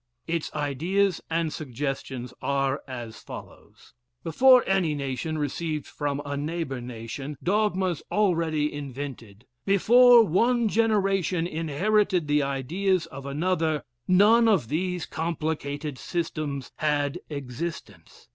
Its ideas and suggestions are as follows: "Before any nation received from a neighbor nation dogmas already invented; before one generation inherited the ideas of another, none of these complicated systems had existence.